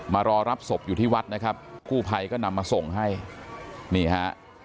มารอรับศพอยู่ที่วัดนะครับกู้ภัยก็นำมาส่งให้นี่ฮะ